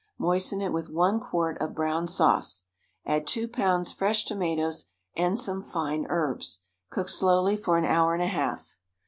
Moisten it with one quart of brown sauce. Add two pounds fresh tomatoes and some fine herbs. Cook slowly for an hour and a half.